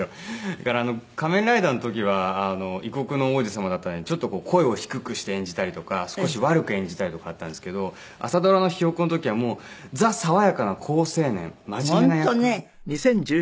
だから『仮面ライダー』の時は異国の王子様だったのでちょっと声を低くして演じたりとか少し悪く演じたりとかあったんですけど朝ドラの『ひよっこ』の時はザ爽やかな好青年真面目な役だったので。